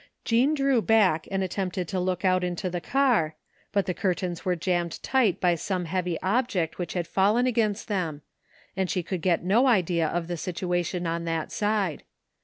Jean drew back and attempted to look out into the car, but the curtains were jammed tight by some heavy object which had fallen against them, and she could gtt no idea of the situation on that side.